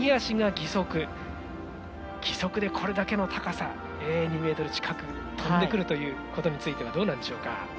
義足でこれだけの高さ２ｍ近くを跳んでくるということについてはどうなんでしょうか。